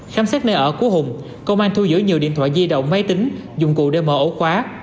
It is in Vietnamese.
khám xét nơi ở của hùng công an thu giữ nhiều điện thoại di động máy tính dụng cụ để mở ổ khóa